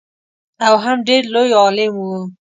او هم ډېر لوی عالم و.